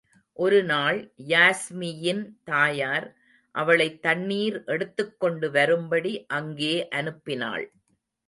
ஒருநாள் யாஸ்மியின் தாயார் அவளைத் தண்ணீர் எடுத்துக் கொண்டுவரும்படி அங்கே அனுப்பினாள்.